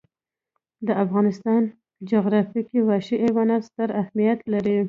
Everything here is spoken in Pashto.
د افغانستان جغرافیه کې وحشي حیوانات ستر اهمیت لري.